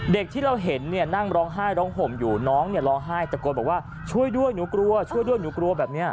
ที่เราเห็นเนี่ยนั่งร้องไห้ร้องห่มอยู่น้องเนี่ยร้องไห้ตะโกนบอกว่าช่วยด้วยหนูกลัวช่วยด้วยหนูกลัวแบบนี้